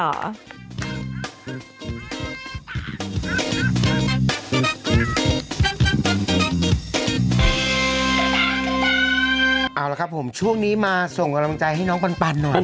เอาละครับผมช่วงนี้มาส่งกำลังใจให้น้องปันหน่อย